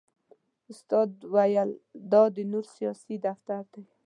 استاد ویل دا د نور سیاسي دفتر دی.